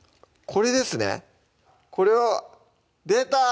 これですねこれは出た！